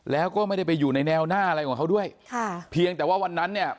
แล้วก็ไม่ได้ไปอยู่ในแนวหน้าอะไรของเขาด้วยค่ะเพียงแต่ว่าวันนั้นเนี่ย